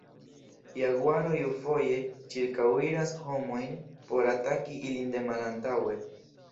Jaguaro iufoje ĉirkaŭiras homojn por ataki ilin de malantaŭe.